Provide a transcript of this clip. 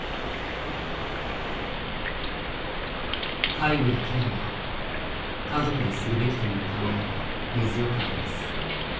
介護やケアは家族でするべきという考えは根強くあります